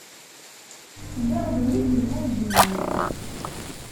Ziɣ d mm ibejbujen-nni!...